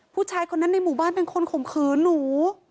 ผู้ชายคนนั้นในหมู่บ้านเป็นคนข่มขืนหนู